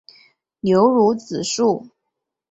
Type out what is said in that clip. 牛乳子树